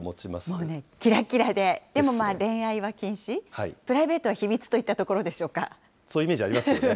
もうね、きらきらで、でもまあ、恋愛は禁止、プライベートはそういうイメージありますよね。